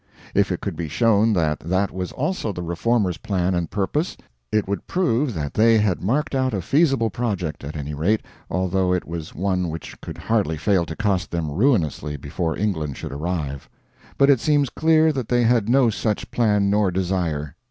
If it could be shown that that was also the Reformers' plan and purpose, it would prove that they had marked out a feasible project, at any rate, although it was one which could hardly fail to cost them ruinously before England should arrive. But it seems clear that they had no such plan nor desire.